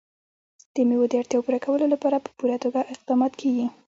د مېوو د اړتیاوو پوره کولو لپاره په پوره توګه اقدامات کېږي.